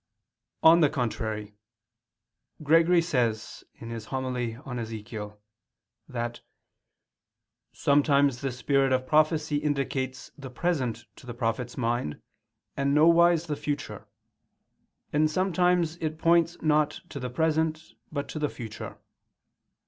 On the contrary, Gregory says (Hom. i super Ezech.) that "sometimes the spirit of prophecy indicates the present to the prophet's mind and nowise the future; and sometimes it points not to the present but to the future."